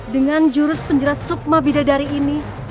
dengan jurus penjerat sukma bidadari ini